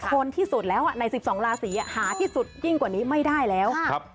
คนที่สุดแล้วใน๑๒ราศีหาที่สุดยิ่งกว่านี้ไม่ได้แล้ว